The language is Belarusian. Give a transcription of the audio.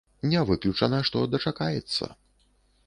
Не выключана, што дачакаецца.